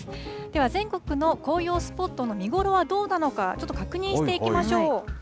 では全国の紅葉スポットの見頃はどうなのか、ちょっと確認していきましょう。